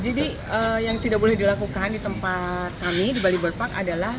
jadi yang tidak boleh dilakukan di tempat kami di bali bird park adalah